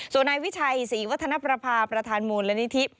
ส่วนในวิชัยศรีวัฒนภรรพาประธานมวลและนิทิ